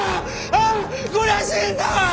あこりゃ死んだわ！